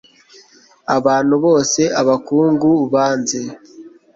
abantu bose, abakungu banze